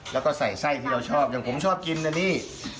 แล้วก็ใส่ไส้ที่เราชอบอย่างผมชอบกินนะนี่